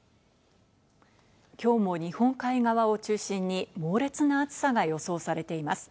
きょうも日本海側を中心に猛烈な暑さが予想されています。